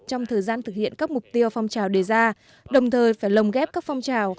trong thời gian thực hiện các mục tiêu phong trào đề ra đồng thời phải lồng ghép các phong trào